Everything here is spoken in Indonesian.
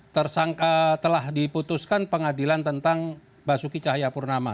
tersangka telah diputuskan pengadilan tentang basuki cahayapurnama